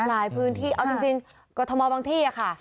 หลายพื้นที่เอาจริงกรทมบางที่ค่ะ